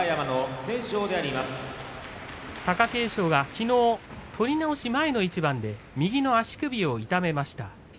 貴景勝はきのう取り直し前の一番で右の足首を痛めました。